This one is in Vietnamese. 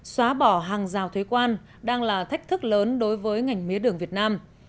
xóa bỏ hàng rào thuế quan đang là thách thức lớn đối với ngành mía đường việt nam